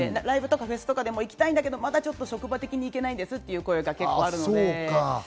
ライブとかフェスとかも行きたいんだけど、職場的に行けないんですという声もあるので。